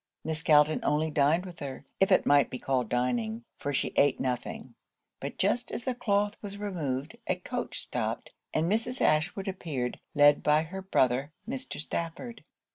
Miss Galton only dined with her; if it might be called dining, for she eat nothing; but just as the cloth was removed, a coach stopped, and Mrs. Ashwood appeared, led by her brother, Mr. Stafford.